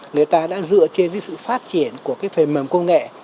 người ta đã dựa trên sự phát triển của phần mầm công nghệ